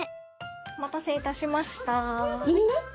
お待たせいたしました。